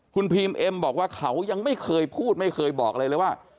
คุณพีมเอ็มบอกว่าเขายังไม่เคยพูดไม่เคยบอกอะไรเลยว่า